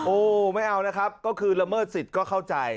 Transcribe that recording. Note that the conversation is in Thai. โอ้ไม่เอานะครับก็คือละเมิดสิทธิ์ก็เข้าใจ